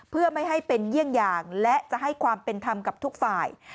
เพื่อไม่ให้เป็นเยี่ยงอย่างและจะให้ความเป็นธรรมกับทุกฝ่าย